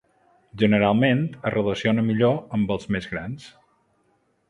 Generalment, es relaciona millor amb els més grans.